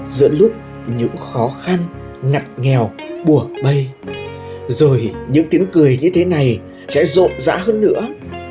giữa lúc những khó khăn ngặt nghèo bùa bay rồi những tiếng cười như thế này sẽ rộn rã hơn nữa